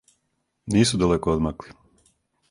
Нису далеко одмакли.